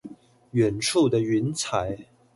遠處的雲彩